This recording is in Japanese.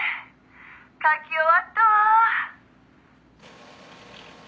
書き終わったわ」